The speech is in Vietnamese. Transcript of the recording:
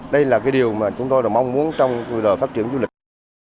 đây là điều mà chúng tôi mong muốn trong lời phát triển du lịch